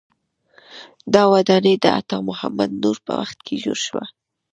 دا ودانۍ د عطا محمد نور په وخت کې جوړه شوه.